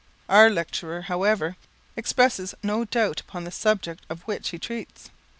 Our lecturer, however, expresses no doubts upon the subject of which he treats.